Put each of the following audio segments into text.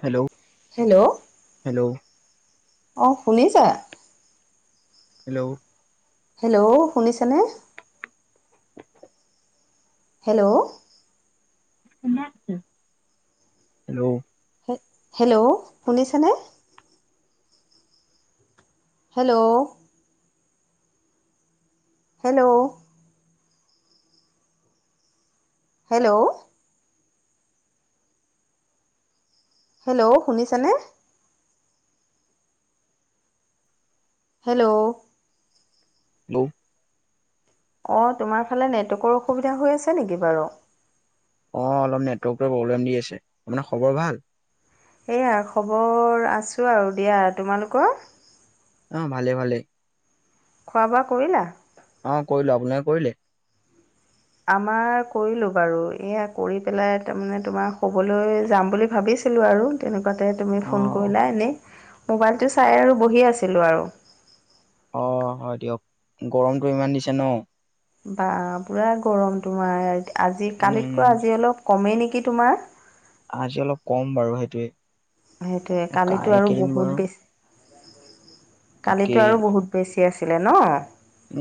Hello hello অ 'শুনিছা hello hello শুনিছেনে হেল্ল' হেল্ল' হেল্ল' শুনিছেনে হেল্ল' হেল্ল' হেল্ল' হেল্ল' শুনিছানে। হেল্ল' হেল্ল' অ' তোমাৰ ফালে নেটৱৰ্কৰ অসুবিধা হৈ আছে নেকি বাৰু অ অলপ নেটৱৰ্ক প্ৰব্লেম দি আছে। এনে খবৰ ভাল এইয়া খবৰ আছোঁ আৰু দিয়া তোমালোকৰ অ 'ভালে ভালে খোৱা বোৱা কৰিলা অ কৰিলো আপোনালোকে কৰিলে। আমাৰ কৰিলো বাৰু এয়া কৰি পেলাই তাৰ মানে তোমাৰ শুবলৈ যাম বুলি ভাবিছ ছিলো আৰু তেনেকুৱা আতে তুমি অ ফোন কৰিলা এনেই মোবাইলটো চাই আৰু বহি আছিলোঁ আৰু অ হয় দিয়ক গৰমটো ইমান দিছে ন। বা পুৰা গৰম তোমাৰ আজি কালিতকৈ উম আজি অলপ কমে নেকি কি তোমাৰ? আজি অলপ কম বাৰু সেইটোৱে। সেইটোয়ে কালিতো আৰু এইকেইদিন বাৰু বহুত বেছ, কালিতো তাকেই আৰু বহুত বেছি আছিলে ন?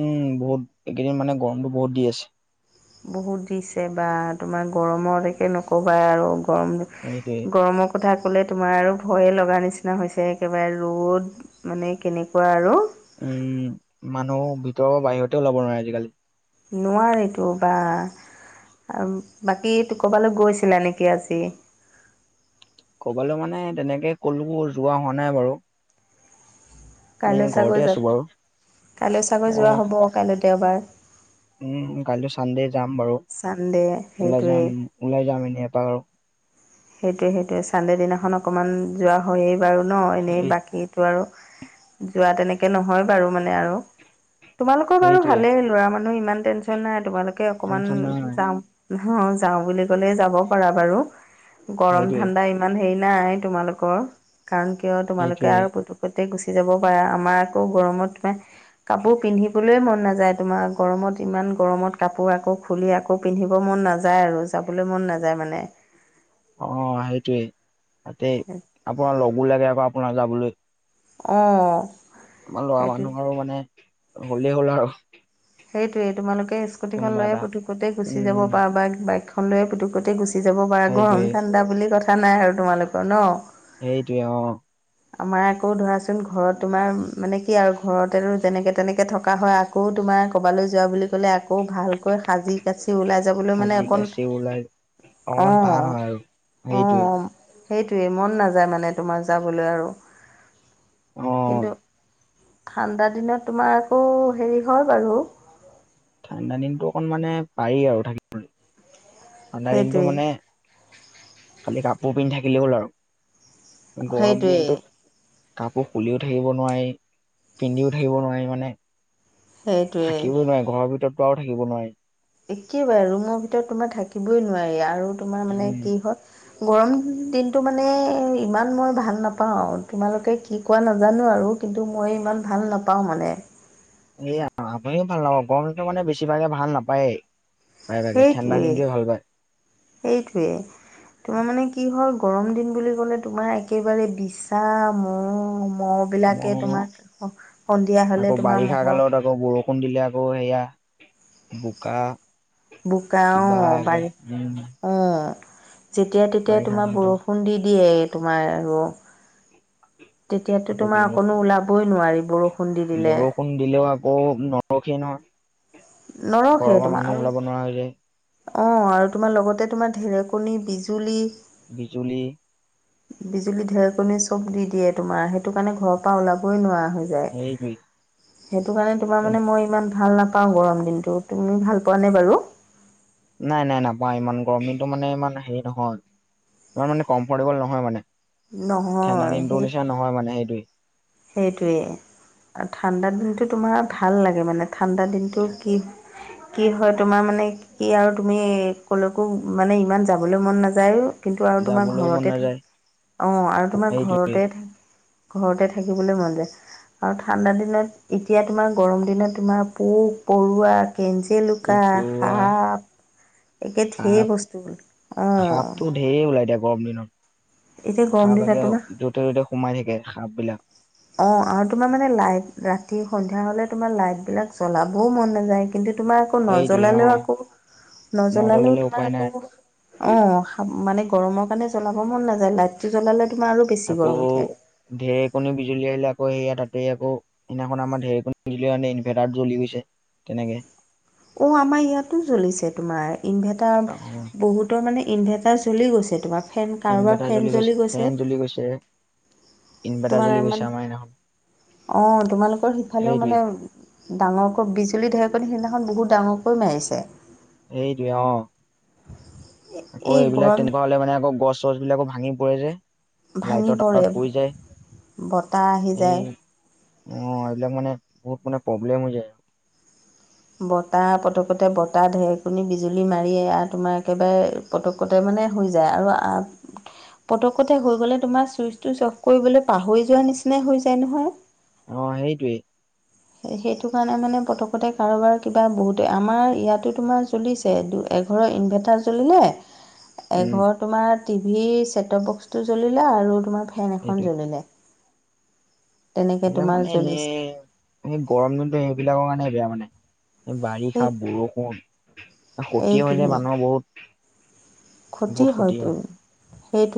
উম বহুত এইকেইদিন মানে গৰমটো বহুত দি আছে। বহুত দিছে বা তোমাৰ গৰমত একে নক'বা আৰু। গৰম সেইটোৱে গৰমক কথা ক'লে তোমাৰ আৰু ভয়ে লগা নিচিনা হৈছে, একেবাৰে ৰ'দ মানে কেনেকুৱা আৰু উম মানুহ ভিতৰৰ পৰা বাহিৰতে ওলাব নোৱাৰে আজিকালি। নোৱাৰিতো বা বাকী কবালৈ গৈছিলা নেকি আজি? কবালেলৈ মানে তেনেকে ক'লো কো যোৱা হোৱা নাই বাৰু। এ কাইলৈ ঘৰতে চাগৈ আছো যাব, বাৰু কাইলৈ চাগৈ অ যোৱা হ'ব কাইলৈ দেওবাৰ। উম কাইলৈ চানদে যাম বাৰু, চানডে ওলাই সেইটোৱেই যাম ওলাই যাম এনে [unintelligible] সেইটোৱে-সেইটোৱে চানডে দিনাখন অকণমান যোৱা হয়েই বাৰু ন? এনেই সেই বাকীটো আৰু যোৱা তেনেকে নহয় বাৰু মানে আৰু তোমালোকৰ বাৰু সেইটোৱে ভালেই, লৰা মানে মানুহ ইমান টেনচন নাই, তোমালোকে অকমান টেনচন নাই যাও অ যাওঁ বুলি ক'লে যাব পাৰা বাৰু, সেইটোৱে গৰম-ঠাণ্ডা ইমান হেৰি নাই তোমালোকৰ কাৰণ কিয় তোমালোকে সেইটোৱে আৰু প তাতে গুচি যাব পাৰা, আমাৰ আকৌ গৰমত ম কাপোৰ পিন্ধিবলৈয় মন নাযায়, তোমাৰ গৰমত। ইমান গৰমত কাপোৰ আকৌ খুলি, আকৌ পিন্ধিব মন মন নাযায় আৰু যাবলৈ মন নাযায় মানে। অ সেইটোৱে তাতে আপোনাৰ লগো লাগে আকৌ আপোনাৰ যাবলৈ। অহ। আমাৰ ল'ৰা মানুহৰ মানে হ'লেই হ'ল আৰু সেইটোৱে তোমালোকে স্কুটিখন কোনোবা লয় এটা পুতুকতে গুচি যাব উম পাৰা বা বাইকখন লয়ে পুতুকতে গুচি গুচি যাব পাৰা, সেইটোৱে গৰম-ঠাণ্ডা বুলি কথা নাই আৰু তোমালোকৰ ন? সেইটোৱে অ। আমাৰ আকৌ ধৰাচোন ঘৰত তোমাৰ মানে কি আৰু ঘৰতে যেনেকে-তেনেকে থকা হয় আকৌ তোমাৰ ক'বালৈ যোৱা বুলি ক'লে আকৌ ভালকৈ সাজি-কাচি ওলাই যাবলৈ মানে আজি অকণ কাচি ওলাই অকমান অ' টান হয় আৰু সেইটোৱে। অ' সেইটোৱেই মন নাযায় মানে তোমাৰ যাবলৈ আৰু, অ কিন্তু ঠাণ্ডা দিনত তোমাৰ আকৌ হেৰি হয় বাৰু ঠাণ্ডা দিনটো অকণ মানে পাৰি আৰু থাকিব। ঠাণ্ডা দিনটো সেইটোৱেই মানে, খালি কাপোৰ পিন্ধি থাকিলে হ'ল আৰু। গৰম সেইটোৱেই দিনটোত কাপোৰ খুলিও থাকিব নোৱাৰি, পিন্ধিও থাকিব নোৱাৰি মানে সেইটোৱেই থাকিব নোৱাৰি, ঘৰৰ ভিতৰততো আৰু থাকিব নোৱাৰি। একেবাৰে ৰুমৰ ভিতৰত তোমাৰ থাকিবই নোৱাৰি আৰু তোমাৰ মানে কি উম হ'ল গৰম দিনটো মানে ইমান মই ভাল নাপাওঁ। তোমালোকে কি কোৱা নাজানো আৰু কিন্তু মই ইমান ভাল নাপাওঁ মানে এ আপুনিও ভাল নাপা, গৰমটো মানে বেছিভাগে ভাল নাপায়ে। সেইটোৱে, সেইটোৱে, তোমাৰ মানে কি হয় গৰম দিন বুলি ক'লে তোমাৰ একেবাৰে বিছা, ম ম আকৌ, সন্ধিয়া হ'লে আকৌ তোমাৰ বাৰিষা মহৰ কালত আকৌ বৰষুণ দিলে, আকৌ সেয়া বোকা বোকা অ কিবা উম যেতিয়া তেতিয়াই বাৰিষা তোমাৰ কালটো বৰষুণ দি দিয়ে তোমাৰ আৰু তেতিয়াতো আকৌ তোমাৰ অকণো বৰষুণ ওলাবই নোৱাৰি, বৰষুণ দি দিলে অ' নৰখে নহ। নৰখেই তোমাৰ আৰু নোৱাৰা হৈ যায় অ' আৰু তোমাৰ লগতে তোমাৰ ঢেৰেকণী বিজুলী। বিজুলী বিজুলী ঢেৰকনি চব দি দিয়ে তোমাৰ সেইটো কাৰণে ঘৰৰ পৰা ওলাবই নোৱাৰা। হৈ যায়। সেইজ সেইটো কাৰণে তোমাৰ মানে মই ইমান ভাল নাপাওঁ গৰম দিনতটো তুমি ভাল পোৱা নে বাৰু নাই নাই নাপাওঁ ইমান গৰম দিনটো মানে ইমান হেৰি নহয় ইমান মানে কমফৰ্টেবল নহয় মানে। নহয় থানদাদিন টোৰ নিচিনা নহয় মানে মেইটোৱে। সেইটোৱেই আৰু ঠাণ্ডা দিনটো তোমাৰ ভাল লাগে মানে ঠাণ্ডা দিনটো কি [inaudible] কি হয় তোমাৰ মানে কি আৰু তুমি ক'লৈকো মানে ইমান যাবলৈ মন নাযায়ো। কিন্তু আৰু তোমাৰ যাবলৈও মন ঘৰতে থাকি নাযায় অ' আৰু তোমাৰ সেইটোৱে ঘৰতে থাকি ঘৰতে থাকিবলৈ মন যায় আৰু ঠাণ্ডা দিনত এতিয়া তোমাৰ গৰম দিনত তোমাৰ পোক পৰুৱা [unintelligible] লুকা পোক পৰুৱা শাপ সাপ অ', সাপটো ধেৰ ওলায়। এতিয়া গৰম এতিয়া দিনত গৰম দিনত তোমাৰ সাপ যোতে তোতে সোমাই থাকে সাপ বিলাক। অ', আৰু তোমাৰ মানে লাইট ৰাতি সন্ধিয়া হ'লে তোমাৰ লাইটবিলাক জ্বলাবও মন নাযায় কিন্তু তোমাৰ আকৌ সেইটোৱে অ নজ্বলালেও আকৌ নজ্বলালেও নজলালে তোমাৰ উপায় নাই আকৌ অ', মানে গৰমৰ কাৰণে জ্বলাব মন নাযায় লাইটটো জ্বলালে তোমাৰ আৰু বেছি আকৌ গৰম উঠে। ঢেৰেকণী বিজুলী আহিলে আকৌ সেই তাতে আকৌ সিদিনাখন আমাৰ ঢেৰকণিত ইনভাৰ্টাৰ জ্বি গৈছে। কেনেকে? ও, আমাৰ ইয়াতো জ্বলিছে তোমাৰ ইনভাৰ্টাৰ অ, বহুতৰ মানে ইনভাৰ্টাৰ জ্বলি গৈছে তোমাৰ ফেন কাৰোবাৰ ফেন জ্বলি গৈছে। ইনভাৰটাৰ তোমাৰ জ্বি গৈছে মানে আমাৰ মিদিনা খন। অ' তোমালোকৰ সিফালেও মানে ডাঙৰকৈ বিজুলী ঢেৰক [unintelligible] সিদিনাখন বহুত ডাঙৰকৈ মাৰিছে। এইটোয়ে অ'। আকৌ এই এইবিলাক গৰম তেনেকুৱা হলে মানে আকৌ গছ চছ বিলাকো ভাঙি পৰে যে। ভাঙি লাইটৰ পৰে তাৰত পৰি যায় বতাহ আহি যায় এই অ' এইবিলাক মানে বহুত মানে প্ৰব্লেম হৈ যায়। বতাহ প্ৰথমতে বতাহ ঢেৰকণী বিজুলী মাৰিয় আৰু তোমাৰ একেবাৰে [unintelligible] মানে হৈ যায় আৰু পতকতে হৈ গলে তোমাৰ চুইচ টোচ অফ কৰিবলৈ পাহৰি যোৱাৰ নিচিনাই হৈ যায় নহয়। অ', সেইটোৱেই। সেইটো কাৰণে মানে [unintelligible] কাৰোবাৰ কিবা বহুতে আমাৰ ইয়াতো তোমাৰ চলিছে এঘৰৰ ইনভাৰ্টাৰ জ্বলিলে উম এঘৰ তোমাৰ টিভি চেটটপ বক্স টো জ্বলিলে আৰু তোমাৰ ফেন এখন সেইটোৱে জ্বলিলে। তেনেকে এইবিলাক তোমাৰ মানে জ্বলিছে এনেই গৰম দিনতো সেইবিলাকৰ কাৰণে বেয়া মানে। সেই বাৰিষা বৰষুণ ক্ষতি হৈ সেইটোৱে যোয় মানুহৰ বহুত। ক্ষতি বহুত হয়তো হয় সেইটো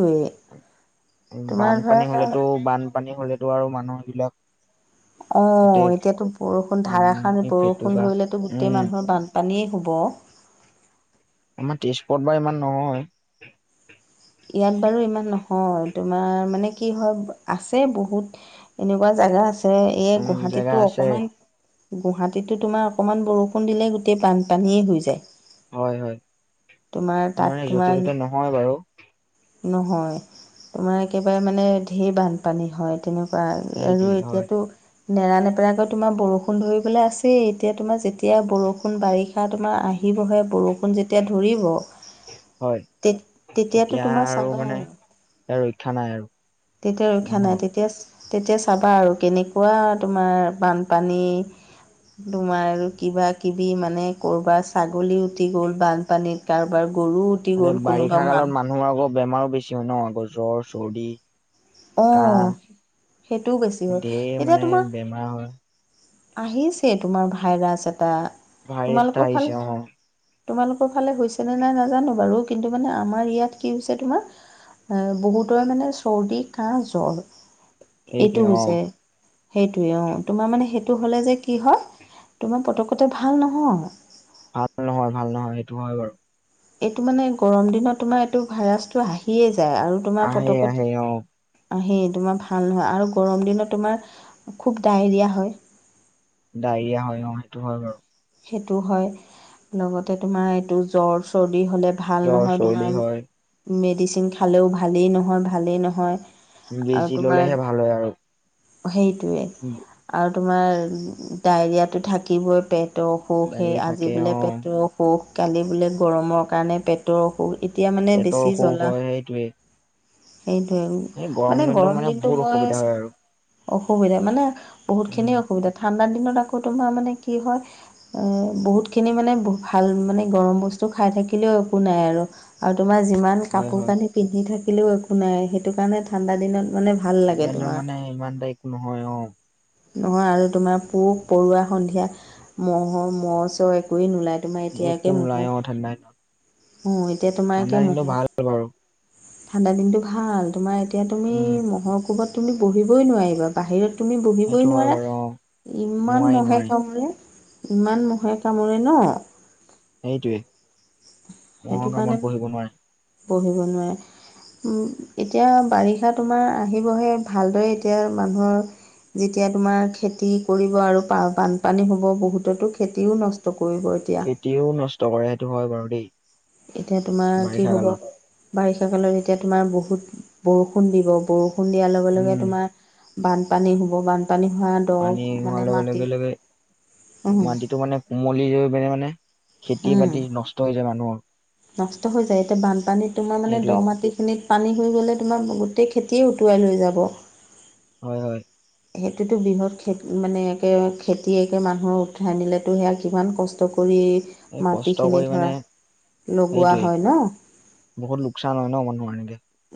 বানপানী ধৰা হলেতো বানপানী হলেতো আৰু মানুহ বিলাক অ', গোটেই এতিয়াতো বৰষুণ ধাৰাসাৰ পানী বৰষুণ ফেটুকা ধৰিলেতো গোটেই উম মানুহৰ বান পানীয়ে শুব। আমাৰ তেজপোৰত বা ইমান নহয়। ইয়াত বাৰু ইমান নহয় হয় তোমাৰ মানে কি হয় আছে বহুত এনেকুৱা জাগা আছে এই উম জেগা গুৱাহাটীতো আছে অকমান গুৱাহাটীতো তোমাৰ অকণমান বৰষুণ দিলে গোটেই বানপানীয়ে হৈ যায়। হয়-হয়, তোমাৰ তাত মানে য'তে তোমাৰ ত'তে নহয় বাৰু। নহয়, তোমাৰ একেবাৰে মানে ঢেৰ বানপানী হয় তেনেকুৱা। বা সেইটোৱে আৰু হয় এতিয়াতো নেৰানেপেৰাকৈ তোমাৰ বৰষুণ ধৰিবলৈ আছেই, এতিয়া তোমাৰ যেতিয়া বৰষুণ বাৰিষা তোমাৰ আহি বহে বৰষুণ যেতিয়া ধৰিব হয় তে তেতিয়াতো তেতিয়া তোমাৰ চাবা মানে আৰু। ৰক্ষা নাই আৰু তেতিয়া ৰক্ষা নাই। মানুহৰ তেতিয়া তেতিয়া চাবা আৰু কেনেকুৱা তোমাৰ বানপানী। তোমাৰ আৰু কিবা কিবি মানে কৰবাৰ ছাগলী উঠি গ'ল বানপানীত কাৰোবাৰ গৰু উটি তাতে গ'ল কোনোবা বাৰিষা কালত মান মানুহৰ আকৌ বেমাৰো বেছি হয় ন জৰ, চৰ্দি। অঁ সেইটোও বেছি কাঁহ হ'ল ধেৰ এতিয়া মানে তোমাৰ বেমাৰ হয়। আহিছে তোমাৰ ভাইৰাছ এটা, ভাইৰাছ এটা তোমালোকৰ ফালে আহিছে অ তোমালোকৰ ফালে হৈছেনে নাই নাজানো বাৰু, কিন্তু মানে আমাৰ ইয়াত কি হৈছে তোমাৰ এ বহুতৰে মানে চৰ্দি কাহ জ্বৰ। এইটো সেইটোৱে অ হৈছে। সেইটোৱে, অ, তোমাৰ মানে সেই এইটো হ'লে যে কি হয় তোমাৰ পতকতে ভাল নহয়। ভাল নহয়, ভাল নহয়, সেইটো হয় বাৰু। এইটো মানে গৰম দিনত তোমাৰ এইটো ভাইৰাছটো আহিয়েই আৰু তোমাৰ আহে পতকতে আহে অ সেই তোমাৰ ভাল নহয়, আৰু গৰম দিনত তোমাৰ খুব ডায়েৰিয়া হয়। ডায়েৰিয়া হয় অ' সেইটো হয় বাৰু। সেইটো হয়, লগতে তোমাৰ এইটো জ্বৰ চৰ এ হ'লে ভাল জ্বৰ নহয় চৰ্দি তোমাৰ হয় মেডিচিন খালেও ভালেই নহয় ভালেই নহয়। আৰু বেজি তোমাৰ ললেহে ভাল হয় আৰু। সেইটোৱে আৰু তোমাৰ ডায়েৰিয়াটো থাকিবই, পেট পেটৰ অসুখ সেই ডায়েৰিয়া আজি থাকে বোলে অ পেটৰ অসুখ। কালি বোলে গৰমৰ কাৰণে পেটৰ অসুখ। এতিয়া মানে পেটৰ বেছি অসুখ জ্বলা হয় সেইটোৱে সেইটোৱে, এই মানে দিনটো গৰম দিনতটো বহুত মই অসুবিধা হয় আৰু অসুবিধা মানে, বহুত খিনি উম অসুবিধা। ঠাণ্ডা দিনত আকৌ তোমাৰ মানে কি হয় এ বহুত খিনি মানে ভাল মানে, গৰম বস্তু খাই থাকিলেও একো নাই। আৰু আৰু তোমাৰ যিমান হয় কাপোৰ হয় কানি পিন্ধি থাকিলেও একো নাই। সেইটো কাৰণে ঠাণ্ডা দিনত মানে ভাল ঠাণ্ডা লাগে দিনত তোমাৰ মানে ইমান তা একো নহয় অ। নহয় আৰু তোমাৰ পোক পৰুৱা সন্ধিয়া ম'হ চ'হ একোয়ে নোলাই। তোমাৰ একো এতিয়াকে নোলাই অ ঠাণ্ডা দিনত ম'হক অ এতিয়া তোমাৰ ঠাণ্ডা একে দিনটো ভাল ম'হক বাৰু ঠাণ্ডা দিনটো ভাল। তোমাৰ এতিয়া তুমি উম ম'হৰ কোবত তুমি বহিবই নোৱাৰিবা বাহিৰত তুমি বহিবই সেইটো হয় নোৱাৰা, বাৰু অ ইমান নোৱাৰি মহে নোৱাৰি কামোৰে। ইমান ম'হে কামোৰে ন। সেইটোৱে ম'হ কামোৰত বহিব নোৱাৰে। পঢ়িব নোৱাৰে। এতিয়া বাৰিষা তোমাৰ আহিবহে ভালদৰে এতিয়া মানুহৰ যেতিয়া তোমাৰ খেতি কৰিব, আৰু বানপানী হব বহুততো খেতিও নষ্ট কৰিব এতিয়া খেতিও নষ্ট কৰে সেইটো হয় বাৰু দেই। এতিয়া তোমাৰ কি বাৰিষা হ'ব? কালত বাৰিষা কালত এতিয়া তোমাৰ বহুত বৰষুণ দিব, বৰষুণ দিয়াৰ লগে- লগে উম তোমাৰ বানপানী হ'ব বানপানী হোৱা পানী দ হোৱাৰ মানে লগে লগে মাটি। লগে উম মাটিটো মানে কুমলিলৈ মানে খেতি উম বাতি নষ্ট হৈ যায় মানুহৰ। নষ্ট হৈ যায়। এতিয়া বানপানীত তোমাৰ মানে দ সেইটোৱে মাটি খিনিত পানীহৈ গ'লে তোমাৰ গোটেই খেতিয়ে উটুৱাই লৈ যাব। হয়-হয়। সেইটোতো বৃহৎ খেতি মানে একে খেতি একে মানুহৰ উঠাই আনিলেতো সেয়া কিমান কষ্ট এই কষ্ট মাটিখিনি কৰি ধৰা। মানে লগোৱা সেইটোৱে হয় ন বহুত লোকচান হয় ন মানুহ।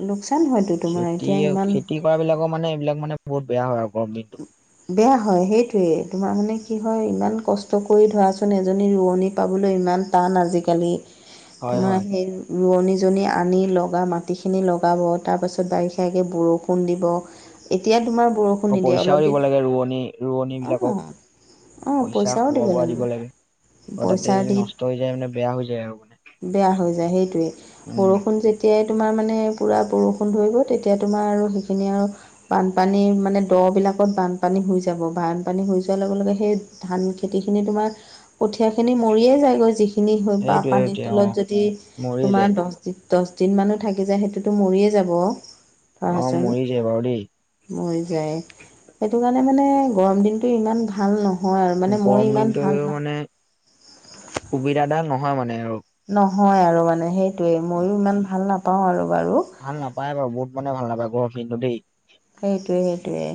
লোকচান হয়তো তোমাৰ খেতি এতিয়া ইমান খেতি কৰা বিলাকো মানে এইবিলাক মানে বহুত বেয়া হয়। আৰু [unintelligible] বেয়া হয় সেইটোৱেই। তোমাৰ মানে কি হয় ইমান কষ্ট কৰি ধৰাচোন এজনী ৰোৱনী পাবলৈ ই ইমান টান আজিকালি হয় তোমাৰ হয় সেই ৰোৱনীজনী আনি লগা, মাটিখিনি লগাব? তাৰপাছত বাৰিষ আগে বৰষুণ দিব এতিয়া তোমাৰ বৰষুণ আকৌ নিদিয়ে পইচাও অলপ দিব দিন লাগে ৰোৱনী ৰোৱনী অঁ বিলাকক। অঁ পইচা পইচাও খোৱা বোৱা দিব লাগিব লাগে আৰু তাতে পইচা যদি দি নষ্ট হৈ যায় মানে বেয়া হৈ যায় আৰু মানে। বেয়া হৈ যায় সেইটোৱে উম বৰষুণ যেতিয়াই তোমাৰ মানে পুৰা বৰষুণ ধৰিব তেতিয়া। তোমাৰ সেইখিনি আৰু বানপানী মানে বিলাকত বানপানী হৈ যাব বানপানী হৈ যোৱাৰ লগে লগে সেই ধান খেতিখিনি তোমাৰ কঠিয়া খিনি মৰিয়ে যায়গৈ যিখিনি বা সেইটোৱে পানীৰ সেইটোৱে অ তলত যদি মৰিয়ে যায় তোমাৰ দহ দিন দশ দিন মানো থাকি যায় সেইটোতো মৰিয়ে যাব। অ ধৰাচোন মৰি যায় বাৰু দেই মৰি যায় সেইটো কাৰণে মানে গৰম দিনটো ইমান ভাল ন গৰমদিনটো মানে সুবিধা দা নহয় মানে আৰু হয় আৰু মানে সেইটোয়ে মইও ইমান ভাল নাপাও আৰু বাৰু। ভাল নাপায় বাৰু বহুত মানে ভাল নাপায় গৰম দিনতো দেই। সেইটোৱে সেইটোৱে।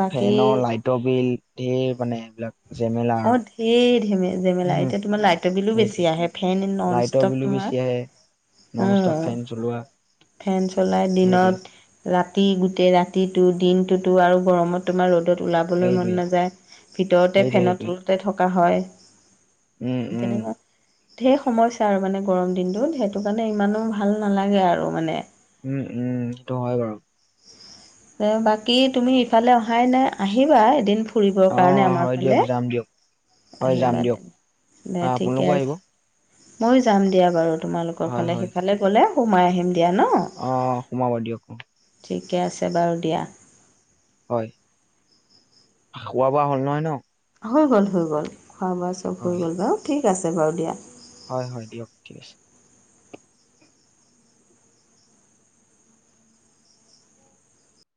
বাকী ফেনৰ লাইটৰ বিল ধেৰ মানে এইবিলাক। জেমেলা অ আৰু ঢেৰ জেমেলা এতিয়া তোমাৰ লাইটৰ বিলো সেইটোৱে। বেছি আহে ফেন নন লাইটৰ ষ্টপ বিলো বেছি তোমাৰ। আহে অ নন ষ্টপ ফেন চলোৱা ফেন চলাই সেইটোৱে দিনত ৰাতি গোটেই ৰাতিটো দিনটোতো আৰু গৰমত তোমাৰ ৰ'দত ওলাবলৈ মন সেইটোৱে। নাযায় ভিতৰতে সেইটোৱে সেইটোৱে ফেনতলতে থকা হয়। উম উম। তেনেকুৱা ঢেৰ সমস্যা আৰু মানে গৰম দিনটোত। সেইটো কাৰণে ইমানো ভাল নালাগে আৰু মানে। উম উমটো হয় বাৰু এ বাকী তুমি ইফালে অহাই নাই আহিবা। এদিন ফুৰিবৰ অ কাৰণে আমাৰ হয় দিয়ক ফালে যাম দিয়ক হয় যাম আহিবা তে দিয়ক দে হয় ঠিকে আপোনালোকো আহিব আছে ময়ো যাম দিয়া বাৰু তোমালোকৰ হয় ফালে হয় সিফালে গলে সোমাই আহিম। দিয়া ন অ সোমাবা দিয়ক অ। ঠিকে আছে বাৰু দিয়া। হয় খোৱা বোৱা হ'ল নহয় ন। হৈ গ'ল হৈ গ'ল খোৱা বোৱা চব হৈ হয় গ'ল বাৰু। ঠিক আছে বাৰু দিয়া। হয় হয় দিয়ক ঠিক আছে।